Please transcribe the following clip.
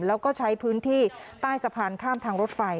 แล้วก็ใช้พื้นที่ใต้สะพานข้ามทางรถไฟ